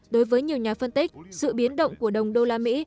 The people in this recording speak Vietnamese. đối với nhiều nhà phân tích sự biến động của đồng đô la mỹ